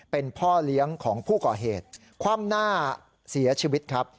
เป็นพ่อเลี้ยงของผู้ก่อเหตุคว่ำหน้าเสียชีวิตครับ